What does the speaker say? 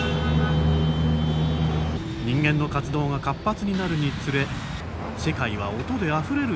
ニンゲンの活動が活発になるにつれ世界は音であふれるように。